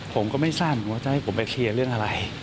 ผมก็ไม่ทราบว่าจะให้ผมไปเคลียร์เรื่องอะไร